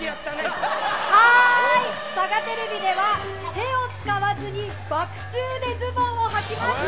サガテレビでは手を使わずにバク宙でズボンをはきます。